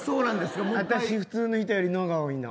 私、普通の人よりの、が多いの。